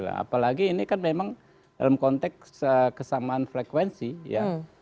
apalagi ini kan memang dalam konteks kesamaan frekuensi ya